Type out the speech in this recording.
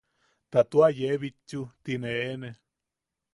Ta tua yee bitchu tine eene.